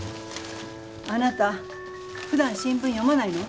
あなたふだん新聞読まないの？